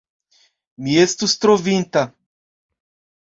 Mi estus trovinta!